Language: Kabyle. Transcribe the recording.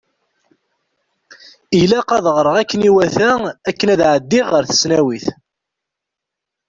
Ilaq ad ɣreɣ akken iwata akken ad ɛeddiɣ ɣer tesnawit.